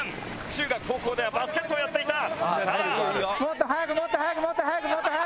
中学高校ではバスケットをやっていた。